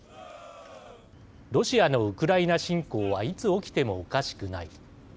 ロシアのウクライナ侵攻はいつ起きてもおかしくない。